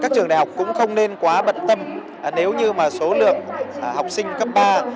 các trường đại học cũng không nên quá bận tâm nếu như mà số lượng học sinh cấp ba